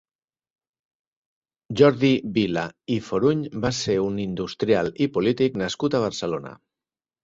Jordi Vila i Foruny va ser un industrial i polític nascut a Barcelona.